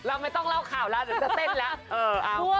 เราไม่ต้องเล่าข่าวแล้วเดี๋ยวจะเต้นแล้ว